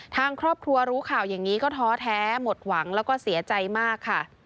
ทางครอบครัวรู้ข่าวอย่างนี้ก็ท้อแท้หมดหวังแล้วก็เสียใจมากค่ะ